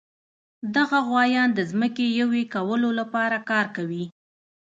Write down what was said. دغه غوایان د ځمکې یوې کولو لپاره کار کوي.